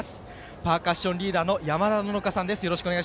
パーカッションリーダーのやまだののかさんです。